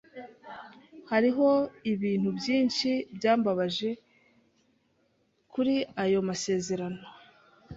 Hariho ibintu byinshi byambabaje kuri ayo masezerano.